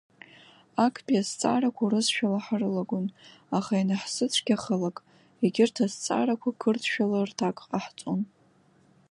Актәи азҵаарақәа урысшәала ҳрылагон, аха ианаҳзыцәгьахалак егьырҭ азҵаарақәа қырҭшәала рҭак ҟаҳҵон.